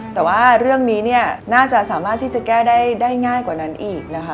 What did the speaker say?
แต่ว่าเรื่องนี้เนี่ยน่าจะสามารถที่จะแก้ได้ง่ายกว่านั้นอีกนะคะ